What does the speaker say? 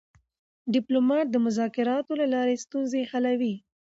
ډيپلومات د مذاکراتو له لارې ستونزې حلوي.